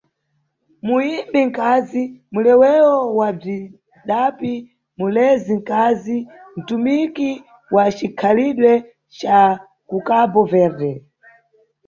Muyimbi nkazi, muleweo wa bzwidapi, mulezi nkazi, "ntumiki" wa cikhalidwe ca kuCabo Verde.